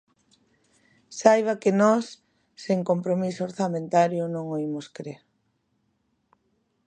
Saiba que nós, sen compromiso orzamentario, non o imos crer.